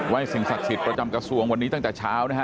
สิ่งศักดิ์สิทธิ์ประจำกระทรวงวันนี้ตั้งแต่เช้านะฮะ